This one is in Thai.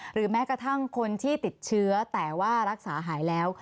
แม้กระทั่งคนที่ติดเชื้อแต่ว่ารักษาหายแล้ว